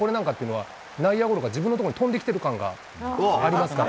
内野ゴロが自分のところに飛んできてる感がありますから。